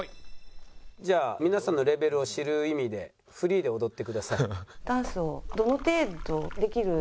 「じゃあ皆さんのレベルを知る意味でフリーで踊ってください」。